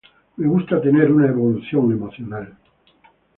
Me gusta tener una evolución emocional.